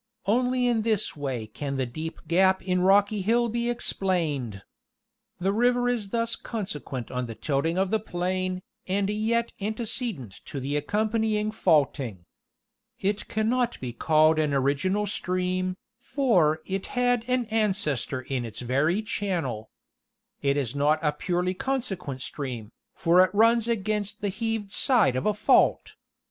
Only in this way can the deep gap in Rocky Hill be explained. The river is thus consequent on the tilting of the plain, and yet antecedent to the accompanying faulting. It cannot be called an original stream, for it had an ancestor in its very channel. It is not a purely consequent stream, for it runs against the heaved side of a fault.